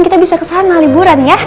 kita bisa kesana liburan ya